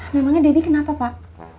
memangnya debbie kenapa pak